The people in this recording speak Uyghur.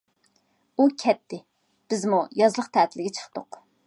ئۇ كەتتى، بىزمۇ يازلىق تەتىلگە چىقتۇق.